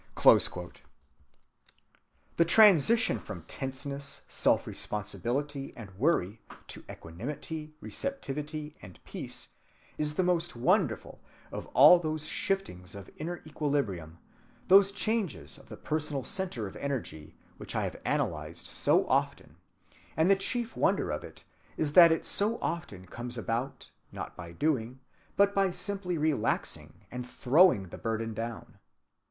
(172) The transition from tenseness, self‐responsibility, and worry, to equanimity, receptivity, and peace, is the most wonderful of all those shiftings of inner equilibrium, those changes of the personal centre of energy, which I have analyzed so often; and the chief wonder of it is that it so often comes about, not by doing, but by simply relaxing and throwing the burden down.